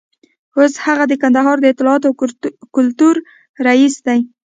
اوس هغه د کندهار د اطلاعاتو او کلتور رییس دی.